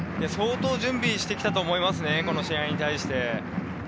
相当準備してきたと思いますね、この試合に対して。